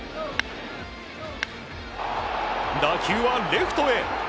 打球はレフトへ。